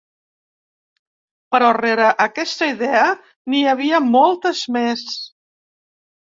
Però rere aquesta idea n’hi havia moltes més.